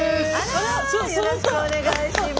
あらよろしくお願いします。